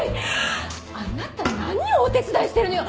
あなた何をお手伝いしてるのよ！